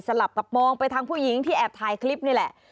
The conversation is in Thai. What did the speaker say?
ลับกับมองไปทางผู้หญิงที่แอบถ่ายคลิปนี่แหละ